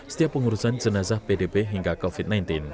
setiap pengurusan jenazah pdp hingga covid sembilan belas